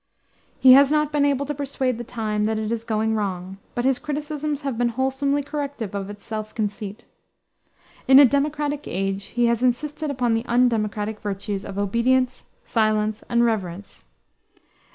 He has not been able to persuade the time that it is going wrong, but his criticisms have been wholesomely corrective of its self conceit. In a democratic age he has insisted upon the undemocratic virtues of obedience, silence, and reverence.